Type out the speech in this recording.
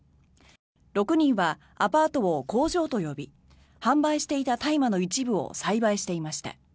６人はアパートを工場と呼び販売していた大麻の一部を栽培していました。